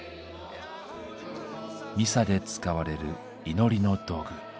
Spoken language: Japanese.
ミサで使われる祈りの道具。